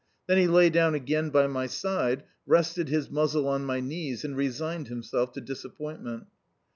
Then he lay down again by my side, rested his muzzle on my knees, and resigned himself to disappointment.